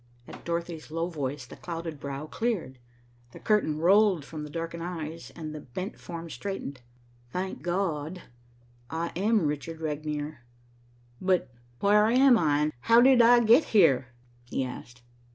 At Dorothy's low voice, the clouded brow cleared. The curtain rolled from the darkened eyes, and the bent form straightened. "Thank God. I am Richard Regnier. But where am I, and how did I get here?" he asked.